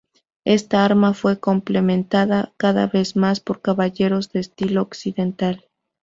Esta arma fue complementada cada vez más por caballeros de estilo occidental.